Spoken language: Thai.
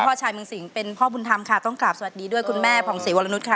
ชายเมืองสิงห์เป็นพ่อบุญธรรมค่ะต้องกราบสวัสดีด้วยคุณแม่ผ่องศรีวรนุษย์ค่ะ